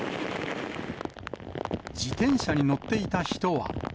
自転車に乗っていた人は。